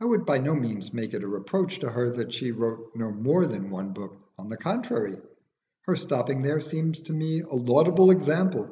I would by no means make it a reproach to her that she wrote no more than one book; on the contrary, her stopping there seems to me a laudable example.